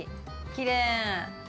きれい！